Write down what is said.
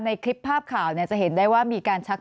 มีประวัติศาสตร์ที่สุดในประวัติศาสตร์